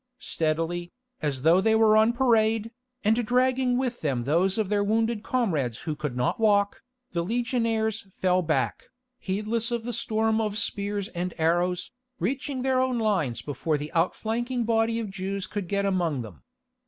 Steadily, as though they were on parade, and dragging with them those of their wounded comrades who could not walk, the legionaries fell back, heedless of the storm of spears and arrows, reaching their own lines before the outflanking body of Jews could get among them.